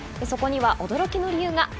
そこには驚きの理由が。